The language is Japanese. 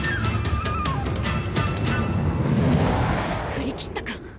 振り切ったか？